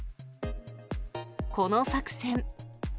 この作戦。